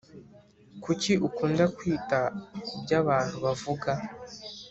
Kucyi ukunda kwita kuby’abantu bavuga